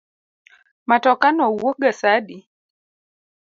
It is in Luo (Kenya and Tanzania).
Matoka no wuok ga sa adi?